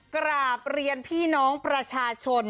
กราบเรียนพี่น้องประชาชน